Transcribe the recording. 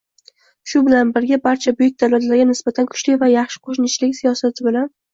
Shu bilan birga, barcha buyuk davlatlarga nisbatan kuchli va yaxshi qo'shnichilik siyosati bilan